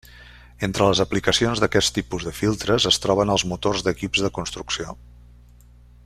Entre les aplicacions d'aquest tipus de filtres es troben els motors d'equips de construcció.